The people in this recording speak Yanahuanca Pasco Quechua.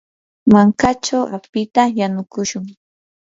mankachaw apita yanukushun.